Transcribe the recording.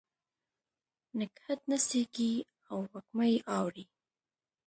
نګهت نڅیږې او وږمه یې اوري